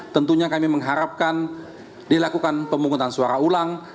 tentunya kami mengharapkan dilakukan pemungutan suara ulang